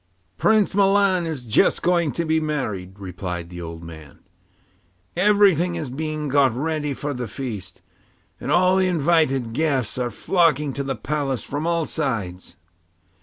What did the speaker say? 'Prince Milan is just going to be married,' replied the old man. 'Everything is being got ready for the feast, and all the invited guests are flocking to the palace from all sides.